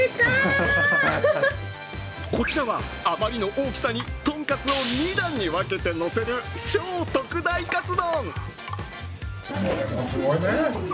こちらは、あまりの大きさにとんかつを２段に分けてのせる超特大カツ丼。